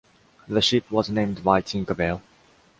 The ship was named by Tinker Bell.